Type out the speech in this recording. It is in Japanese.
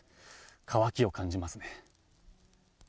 渇きを感じますね。